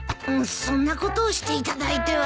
そんなことをしていただいては。